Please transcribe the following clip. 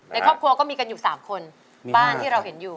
ในครอบครัวก็มีกันอยู่สามคนบ้านที่เราเห็นอยู่